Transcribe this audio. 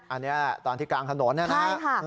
อันนี้ตอนที่กลางถนนเนี่ยนะฮะ